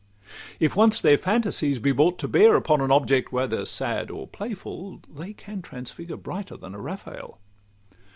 If once their phantasies be brought to bear Upon an object, whether sad or playful, They can transfigure brighter than a Raphael.